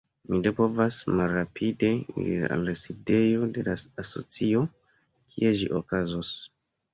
Mi do povas malrapide iri al la sidejo de la asocio, kie ĝi okazos.